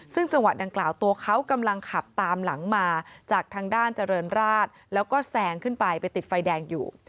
ซึ่งจังหวะดังกล่าวตัวเขากำลังขับตามหลังมาจากทางด้านเจริญราชแล้วก็แซงขึ้นไปไปติดไฟแดงอยู่